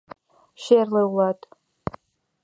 Черле улат!..